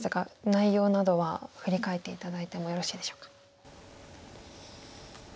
内容などは振り返って頂いてもよろしいでしょうか。